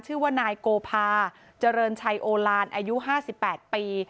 ชื่อว่านายโกภาเจริญชัยโอลานอายุ๕๘ปี